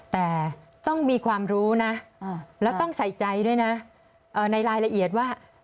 แต่ต้องมีความรู้นะแล้วต้องใส่ใจด้วยนะในรายละเอียดว่า